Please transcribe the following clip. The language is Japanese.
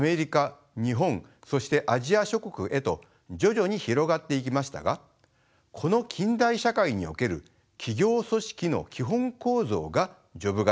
日本そしてアジア諸国へと徐々に広がっていきましたがこの近代社会における企業組織の基本構造がジョブ型です。